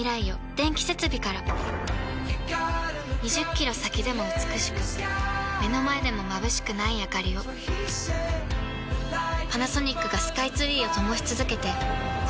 ２０キロ先でも美しく目の前でもまぶしくないあかりをパナソニックがスカイツリーを灯し続けて今年で１０年